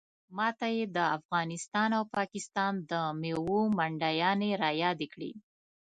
ماته یې د افغانستان او پاکستان د میوو منډیانې رایادې کړې.